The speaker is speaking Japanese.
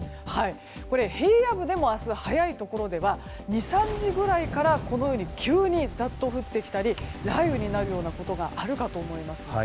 これ、平野部でも明日早いところでは２３時ぐらいからこのように急にざっと降ってきたり雷雨になるようなことがあるかと思います。